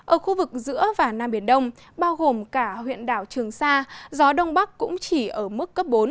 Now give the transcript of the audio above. ở khu vực giữa và nam biển đông bao gồm cả huyện đảo trường sa gió đông bắc cũng chỉ ở mức cấp bốn